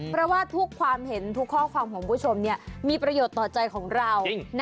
เพราะว่าทุกความเห็นทุกข้อความของคุณผู้ชมมีประโยชน์ต่อใจของเรา